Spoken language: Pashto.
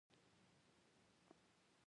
سیچوان خواړه توند دي.